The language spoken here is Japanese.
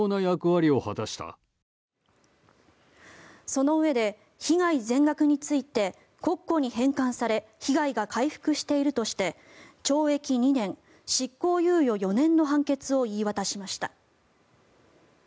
そのうえで被害全額について国庫に返還され被害が回復しているとして懲役２年、執行猶予４年の判決を言い渡しました。